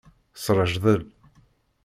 Srejdel.